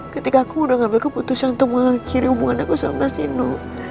ketika aku udah ngambil keputusan untuk mengakhiri hubungan aku sama sindu